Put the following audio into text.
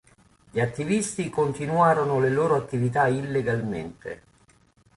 Gli attivisti continuarono le loro attività illegalmente.